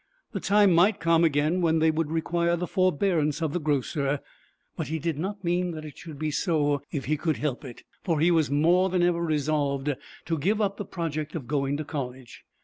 The time might come again when they would require the forbearance of the grocer; but he did not mean that it should be so if he could help it. For he was more than ever resolved to give up the project of going to college.